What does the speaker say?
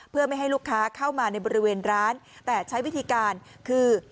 เพื่อไม่ให้ลูกค้าเข้ามาในบริเวณร้านแต่ใช้วิธีการคือ